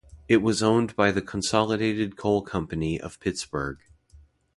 It was owned by the Consolidated Coal Company of Pittsburgh.